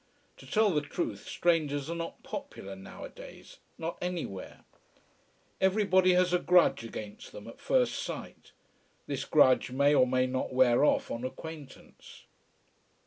To tell the truth, strangers are not popular nowadays not anywhere. Everybody has a grudge against them at first sight. This grudge may or may not wear off on acquaintance.